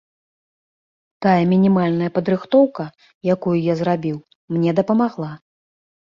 Тая мінімальная падрыхтоўка, якую я зрабіў, мне дапамагла.